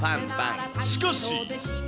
しかし。